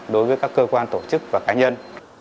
đối với các cơ quan tổ chức và cá nhân